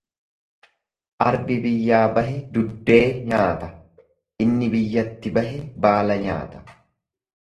Arbi biyyaa bahe duddee nyaata inni biyyatti hafe baala nyaata.